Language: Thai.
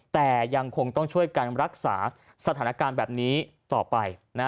แต่ยังคงต้องช่วยกันรักษาสถานการณ์แบบนี้ต่อไป